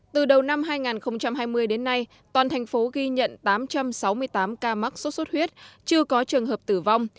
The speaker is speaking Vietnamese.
từ đầu năm hai nghìn hai mươi đến nay toàn thành phố ghi nhận tám trăm sáu mươi tám ca mắc sốt xuất huyết chưa có trường hợp tử vong